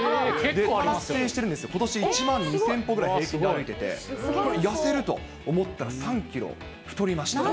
達成してるんですよ、ことし、１万２０００歩くらい、平均で歩いてて、痩せると思ったら、３キロ太りました。